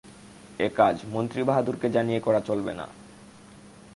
এ কােজ মন্ত্রী বাহাদুরকে জানিয়ে করা চলবে না।